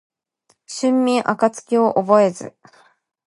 春眠暁を覚えず